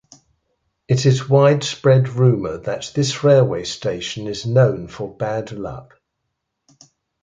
It is wide spread rumour that this railway station is known for bad luck.